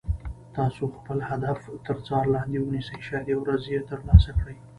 تاسو خپل هدف تر څار لاندې ونیسئ شاید یوه ورځ یې تر لاسه کړئ.